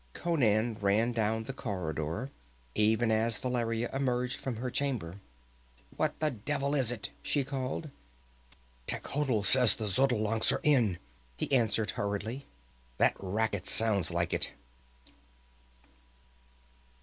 _" Conan ran down the corridor, even as Valeria emerged from her chamber. "What the devil is it?" she called. "Techotl says the Xotalancas are in," he answered hurriedly. "That racket sounds like it."